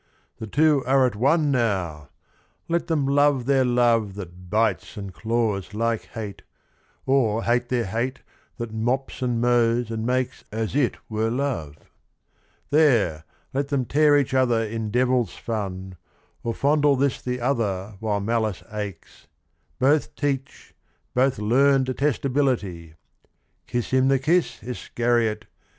' The two are at one now ! Let them love their love That bites and claws like hate, or hate their hate That mops and mows and makes as it were love 1 There, let them each tear each in devil's fun, Or fondle this the other while malice aches — Both teach, both learn detestability ! Kiss him the kiss, Iscariot